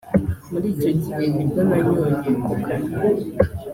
« Muri icyo gihe nibwo nanyoye cocaine